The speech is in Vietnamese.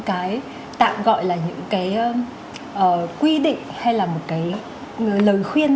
cái tạm gọi là những cái quy định hay là một cái lời khuyên